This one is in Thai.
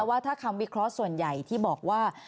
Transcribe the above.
ว่าถ้าคำวิเคราะห์ส่วนใหญ่ที่บอกว่า